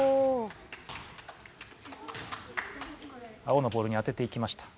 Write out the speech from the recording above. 青のボールにあてていきました。